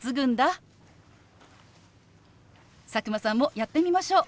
佐久間さんもやってみましょう。